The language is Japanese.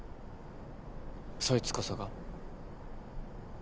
そいつこそが？